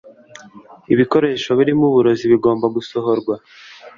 Ibikoresho birimo uburozi bigomba gusohorwa